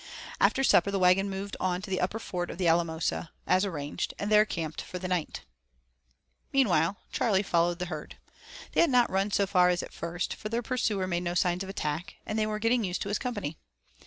After supper the wagon moved on to the upper ford of the Alamosa, as arranged, and there camped for the night. Meanwhile, Charley followed the herd. They had not run so far as at first, for their pursuer made no sign of attack, and they were getting used to his company.